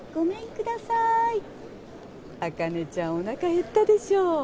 くださーい茜ちゃんおなかへったでしょう？